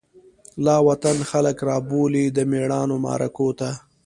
لاوطن خلک رابولی، دمیړانومعرکوته